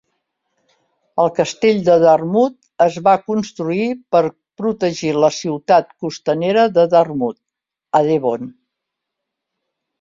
El Castell de Dartmouth es va construir per protegir la ciutat costanera de Dartmouth, a Devon.